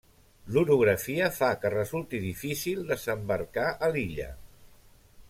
L'orografia fa que resulti difícil desembarcar a l'illa.